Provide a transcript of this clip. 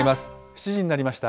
７時になりました。